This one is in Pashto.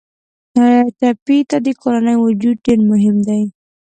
ټپي ته د کورنۍ وجود ډېر مهم دی.